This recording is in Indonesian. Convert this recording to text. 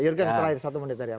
jurgen satu satu menit dari anda